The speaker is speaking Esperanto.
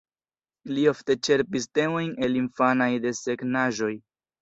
Li ofte ĉerpis temojn el infanaj desegnaĵoj.